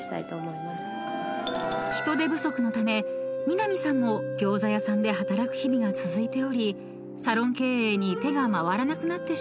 ［人手不足のため南さんも餃子屋さんで働く日々が続いておりサロン経営に手が回らなくなってしまったそう］